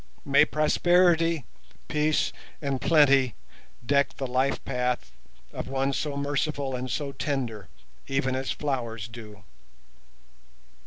May prosperity, peace and plenty deck the life path of one so merciful and so tender, even as flowers do.